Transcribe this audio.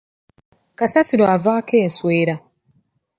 Kasasiro avaako enswera.